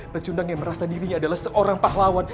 pecundang yang merasa dirinya adalah seorang pahlawan